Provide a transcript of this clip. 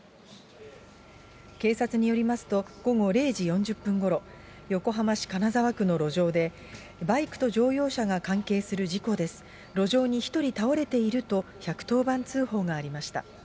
警察によりますと、午後０時４０分ごろ、横浜市金沢区の路上で、バイクと乗用車が関係する事故です、路上に１人倒れていると１１０番通報がありました。